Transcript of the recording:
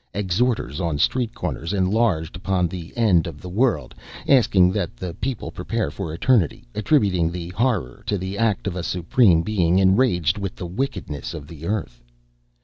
Exhorters on street corners enlarged upon the end of the world, asking that the people prepare for eternity, attributing the Horror to the act of a Supreme Being enraged with the wickedness of the Earth.